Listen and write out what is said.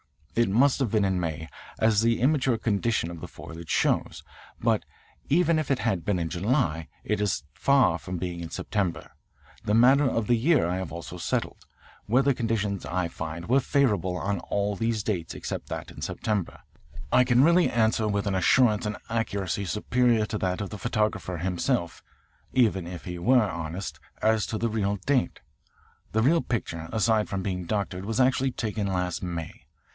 It must have been in May, as the immature condition of the foliage shows. But even if it had been in July, that is far from being September. The matter of the year I have also settled. Weather conditions, I find, were favourable on all=20these dates except that in September. I can really answer, with an assurance and accuracy superior to that of the photographer himself even if he were honest as to the real date. The real picture, aside from being doctored, was actually taken last May.